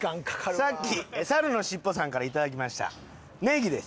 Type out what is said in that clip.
さっき猿のしっぽさんからいただきましたネギです。